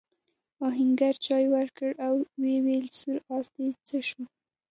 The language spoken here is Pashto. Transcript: آهنګر چايي ورکړه او وویل سور آس دې څه شو؟